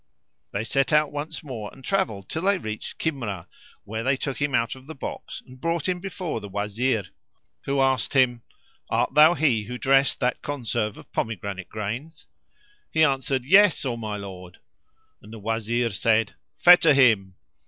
They set out once more and travelled till they reached Kimrah, where they took him out of the box and brought him before the Wazir who asked him, "Art thou he who dressed that conserve of pomegranate grains?" He answered "Yes, O my lord!"; and the Wazir said "Fetter him!"